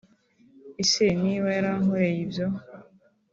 Ese niba yarankoreye ibyo